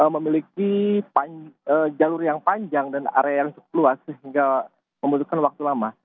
memiliki jalur yang panjang dan area yang luas sehingga membutuhkan waktu lama